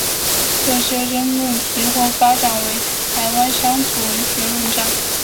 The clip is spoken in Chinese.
这些争论随后发展为台湾乡土文学论战。